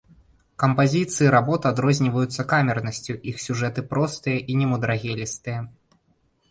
Кампазіцыі работ адрозніваюцца камернасцю, іх сюжэты простыя і немудрагелістыя.